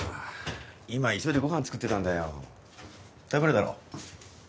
今急いでご飯作ってたんだよ食べるだろ？